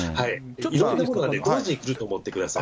いろんなものが同時に来ると思ってください。